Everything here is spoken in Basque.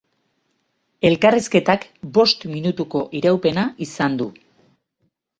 Elkarrizketak bost minutuko iraupena izan du.